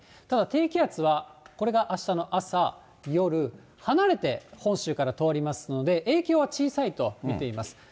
ただ低気圧はこれがあしたの朝、夜、離れて本州から通りますので、影響は小さいと見ています。